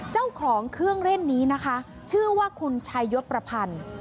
เจ้าของเครื่องเล่นนี้นะคะชื่อว่าคุณชายศประพันธ์